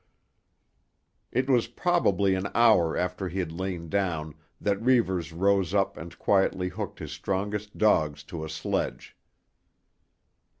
It was probably an hour after he had lain down that Reivers rose up and quietly hooked his strongest dogs to a sledge.